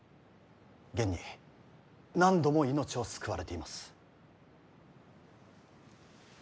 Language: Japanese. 現に何度も命を救われています。